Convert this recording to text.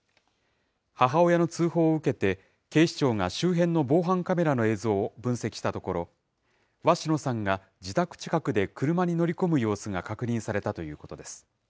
母親の通報を受けて、警視庁が周辺の防犯カメラの映像を分析したところ、鷲野さんが自宅近くで車に乗り込む様子が確認されたということです。